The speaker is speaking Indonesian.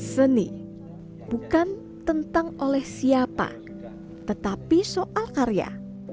seni bukan tentang oleh siapa tetapi soal karya